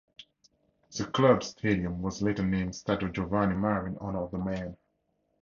The club's stadium was later named Stadio Giovanni Mari in honour of the man.